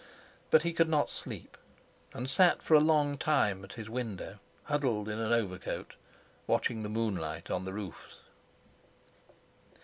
But he could not sleep, and sat for a long time at his window, huddled in an overcoat, watching the moonlight on the roofs.